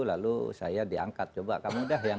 lalu saya diangkat coba kamu dah yang